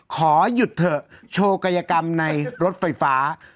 ขอหยุดเถอะโชว์กายกรรมในรถไฟฟ้า